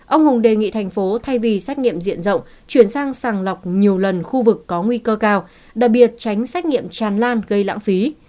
ông hùng đề nghị thành phố thay vì xét nghiệm diện rộng chuyển sang sàng lọc nhiều lần khu vực có nguy cơ cao đặc biệt tránh xét nghiệm tràn lan gây lãng phí